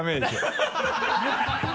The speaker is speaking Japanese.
ハハハ